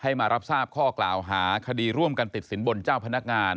มารับทราบข้อกล่าวหาคดีร่วมกันติดสินบนเจ้าพนักงาน